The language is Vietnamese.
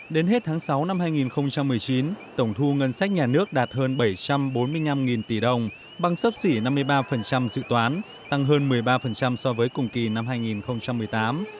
đến hết tháng sáu năm hai nghìn một mươi chín tổng thu ngân sách nhà nước đạt hơn bảy trăm bốn mươi năm tỷ đồng băng sấp xỉ năm mươi ba dự toán tăng hơn một mươi ba so với cùng kỳ năm hai nghìn một mươi tám